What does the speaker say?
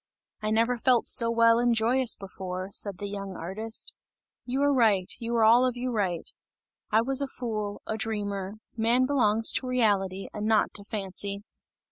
"I never felt so well and joyous before!" said the young artist. "You are right, you are all of you right. I was a fool, a dreamer; man belongs to reality and not to fancy!"